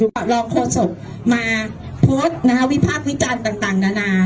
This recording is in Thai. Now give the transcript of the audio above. ขอร้องโฆษภมาโพสต์วิภาควิจารณ์ต่างนานา